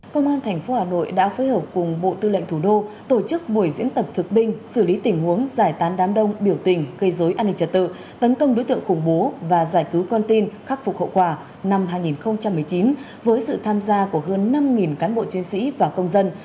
công an tp hà nội đã phối hợp cùng bộ tư lệnh thủ đô tổ chức buổi diễn tập thực binh xử lý tình huống giải tán đám đông biểu tình gây dối an ninh trật tự tấn công đối tượng khủng bố và giải cứu con tin khắc phục hậu quả năm hai nghìn một mươi chín với sự tham gia của hơn năm cán bộ chiến sĩ và công dân